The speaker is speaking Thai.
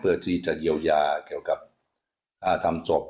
เพื่อที่จะเยียวยาเกี่ยวกับทำศพ